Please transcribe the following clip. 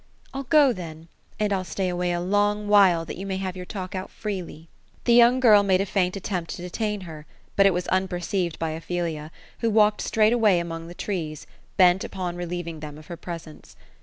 ' I'll go then ; and I'll stay away a long while, that you may have your talk out freely." The young girl made a faint attempt to detain her ; but it was an perceived by Ophelia, who walked straightway among the trees, bent npon relieving them of her presence.